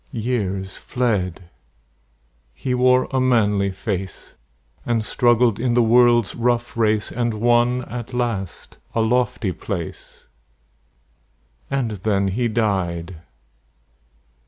Years fled; he wore a manly face, And struggled in the world's rough race, And won at last a lofty place. And then he died!